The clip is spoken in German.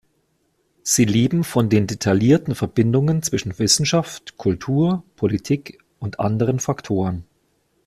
Sie leben von den detaillierten Verbindungen zwischen Wissenschaft, Kultur, Politik und anderen Faktoren.